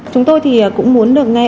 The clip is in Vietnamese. chúng tôi thì cũng muốn được nghe